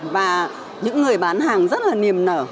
và những người bán hàng rất là niềm nở